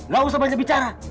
gak usah banyak bicara